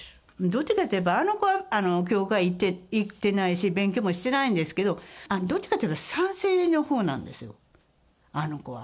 どちらかといえばあの子は教会にも行ってないですし、勉強もしてないんですけど、どっちかというと、賛成のほうなんですよ、あの子は。